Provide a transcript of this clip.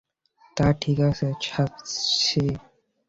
তা ঠিক আছে, সার্সি।